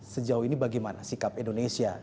sejauh ini bagaimana sikap indonesia